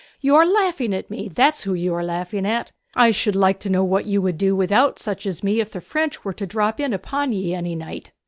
'You are laughing at me that's who you are laughing at! I should like to know what you would do without such as me if the French were to drop in upon ye any night?'